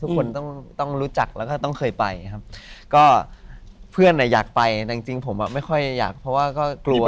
ทุกคนต้องรู้จักแล้วก็ต้องเคยไปก็เพื่อนอยากไปจริงผมไม่ค่อยอยากเพราะว่าก็กลัว